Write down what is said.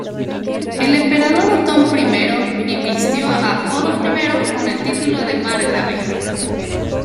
El emperador Otón I invistió a Odo I con el título de margrave.